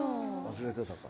忘れてたか。